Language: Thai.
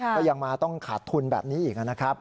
ก็ยังมาต้องขาดทุนแบบนี้อีกนะครับ